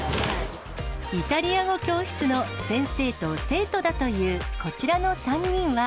イタリア語教室の先生と生徒だというこちらの３人は。